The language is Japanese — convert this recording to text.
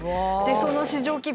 その市場規模